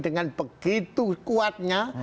dengan begitu kuatnya